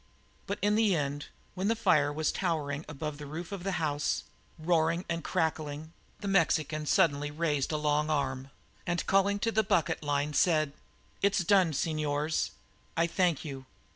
But in the end, when the fire was towering above the roof of the house, roaring and crackling, the Mexican suddenly raised a long arm and called to the bucket line, "It is done. Señors, I thank you."